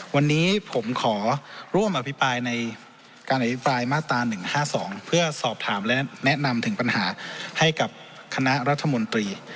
วันนี้ผมขอร่วมอภิปรายในการอภิปรายมาตรา๑๕๒เพื่อสอบถามและแนะนำถึงปัญหาให้กับคณะรัฐมนตรี